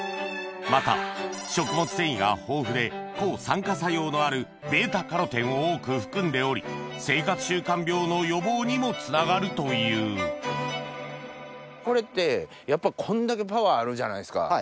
また食物繊維が豊富で抗酸化作用のあるβ−カロテンを多く含んでおり生活習慣病の予防にもつながるというこれってやっぱこんだけパワーあるじゃないですか。